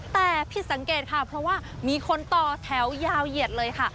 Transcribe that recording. แต่ผิดสังเกตค่ะเพราะว่ามีคนต่อแถวยาวเหยียดเลยค่ะ